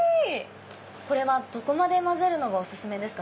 これはどこまで混ぜるのがお勧めですか？